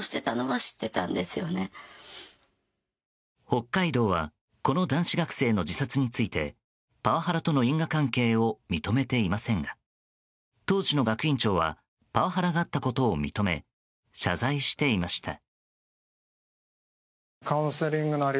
北海道はこの男子学生の自殺についてパワハラとの因果関係を認めていませんが当時の学院長はパワハラがあったことを認め謝罪していました。